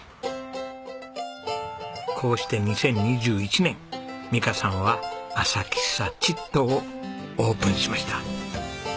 こうして２０２１年美香さんは朝喫茶ちっとをオープンしました。